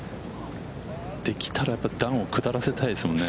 できたら、やっぱり段を下らせたいですもんね。